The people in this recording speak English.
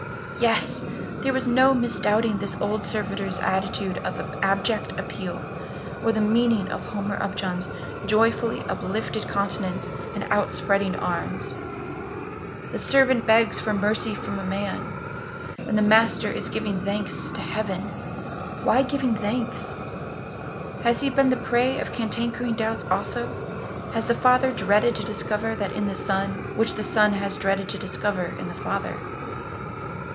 Yes! there is no misdoubting this old servitor's attitude of abject appeal, or the meaning of Homer Upjohn's joyfully uplifted countenance and outspreading arms. The servant begs for mercy from man, and the master is giving thanks to Heaven. Why giving thanks? Has he been the prey of cankering doubts also? Has the father dreaded to discover that in the son which the son has dreaded to discover in the father?